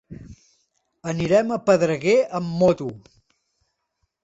Anirem a Pedreguer amb moto.